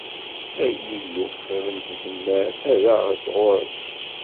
Ay Illu, bab n tzemmar, err-aɣ-d ɣur-k!